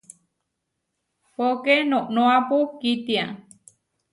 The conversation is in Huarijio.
Póke noʼnoápu kítia.